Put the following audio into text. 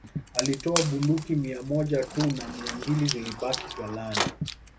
Alitoa bunduki mia moja tu na mia mbili zilibaki ghalani